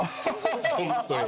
本当に。